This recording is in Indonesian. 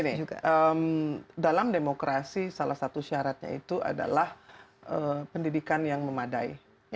jadi dalam demokrasi salah satu syaratnya itu adalah pendidikan yang memadai